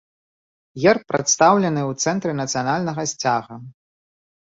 Герб прадстаўлены ў цэнтры нацыянальнага сцяга.